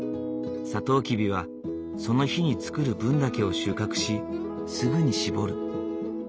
サトウキビはその日に作る分だけを収穫しすぐに搾る。